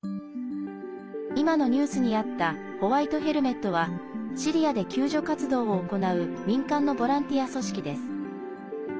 今のニュースにあったホワイト・ヘルメットはシリアで救助活動を行う民間のボランティア組織です。